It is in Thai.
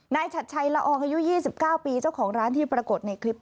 ฉัดชัยละอองอายุ๒๙ปีเจ้าของร้านที่ปรากฏในคลิป